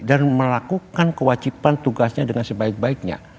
dan melakukan kewajiban tugasnya dengan sebaik baiknya